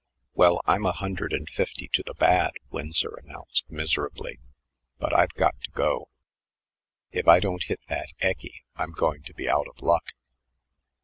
"Well, I'm a hundred and fifty to the bad," Winsor announced miserably, "but I've got to go. If I don't hit that eccy, I'm going to be out of luck."